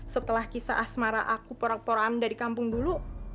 setelah kisah asmara aku porak poraan dari kampung dulu